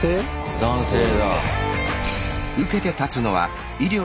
男性だ。